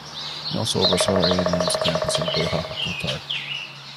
He also oversaw A and M's campus in Doha, Qatar.